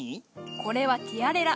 これは「ティアレラ」。